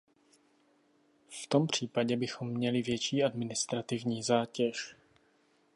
V tom případě bychom měli větší administrativní zátěž.